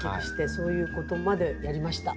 そういうことまでやりました。